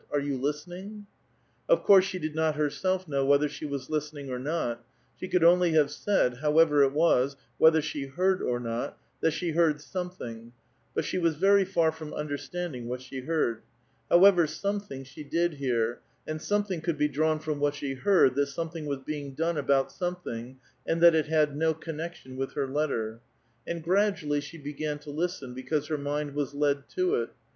Are you listening?" Of coui*se she did not herself know whether she was lis tening or not; she could only have said, however it was, whether she heard or not, that she heard something, but she ^a« very far from understanding what she heard ; however, something she did hear, and something could be drawn from W'hat she heard, that something was being done about some ttiitig, and that it had no connection with her letter; and S^adually she began to listen, because her mind was led to it.